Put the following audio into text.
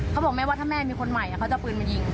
เขาบอกแม่ว่าถ้าแม่มีคนใหม่เขาจะเอาปืนมายิง